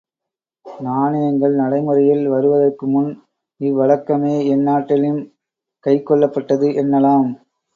நாணயங்கள் நடைமுறையில் வருவதற்குமுன் இவ்வழக்கமே எந்நாட்டிலும் கைக்கொள்ளப்பட்டது என்னலாம்.